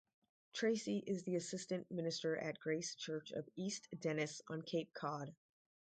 Tracy is the Assistant Minister at Grace Church of East Dennis on Cape Cod.